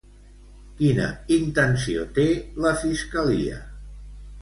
Quina intenció té la fiscalia?